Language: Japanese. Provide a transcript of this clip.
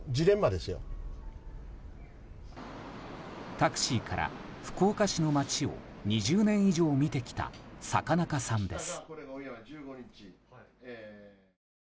タクシーから福岡市の街を２０年以上見てきた坂中さんです。